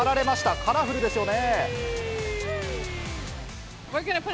カラフルですよね。